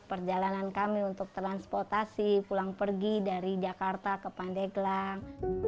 perjalanan kami untuk transportasi pulang pergi dari jakarta ke pandeglang